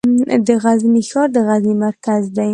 د غزني ښار د غزني مرکز دی